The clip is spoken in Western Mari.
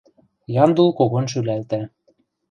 Яндул когон шӱлӓлтӓ.